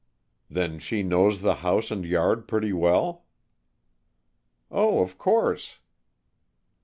"Then she knows the house and yard, pretty well?" "Oh, of course."